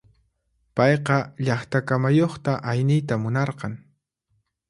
Payqa llaqta kamayuqta ayniyta munarqan.